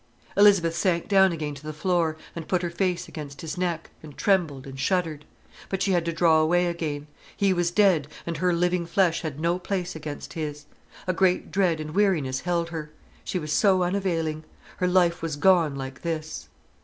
Elizabeth sank down again to the floor, and put her face against his neck, and trembled and shuddered. But she had to draw away again. He was dead, and her living flesh had no place against his. A great dread and weariness held her: she was so unavailing. Her life was gone like this.